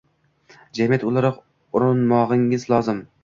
jamiyat o‘laroq urinmog‘imiz lozim.